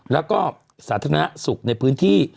แล้วก็สาธารณสุขในพื้นที่